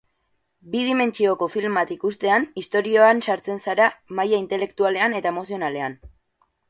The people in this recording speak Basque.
Bi dimentsioko film bat ikustean istorioan sartzen zara maila intelektualean eta emozionalean.